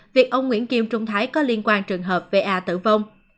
việc ông nguyễn kim trung thái có liên quan trường hợp va tử vong